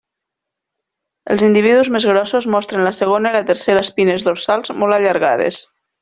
Els individus més grossos mostren la segona i la tercera espines dorsals molt allargades.